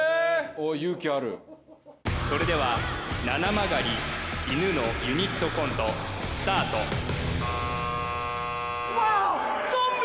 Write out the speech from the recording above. おお勇気あるそれではななまがりいぬのユニットコントスタートわあゾンビ！